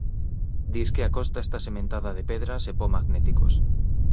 Disque a costa está sementada de pedras e po magnéticos